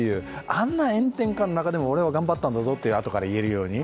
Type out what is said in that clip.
あんな炎天下の中でも俺は頑張ったんだぞとあとから言えるように。